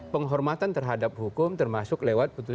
penghormatan terhadap hukum termasuk lewat putusan